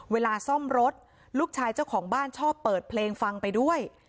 เวลาซ่อมรถลูกชายเจ้าของบ้านชอบเปิดเพลงฟังไปด้วย